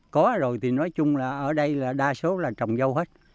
có rồi thì nói chung là ở đây là đa số là trồng dâu hết